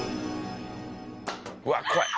うわあ怖い。